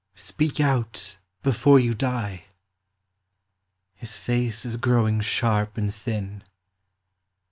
Speak out before you die. His face is growing sharp and thin.